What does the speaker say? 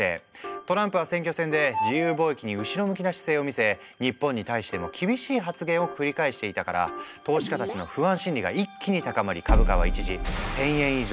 トランプは選挙戦で自由貿易に後ろ向きな姿勢を見せ日本に対しても厳しい発言を繰り返していたから投資家たちの不安心理が一気に高まり株価は一時１，０００円以上